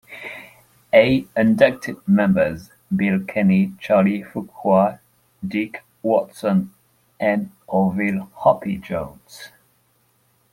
A. Inducted members: Bill Kenny, Charlie Fuqua, Deek Watson, and Orville "Hoppy" Jones.